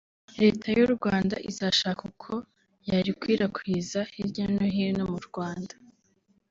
leta y’u Rwanda izashaka uko yarikwirakwiza hirya no hino mu Rwanda